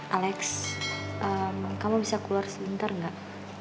alex kamu bisa keluar sebentar enggak